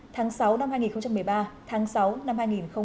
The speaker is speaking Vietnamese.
tháng sáu năm hai nghìn một mươi ba tháng sáu năm hai nghìn hai mươi ba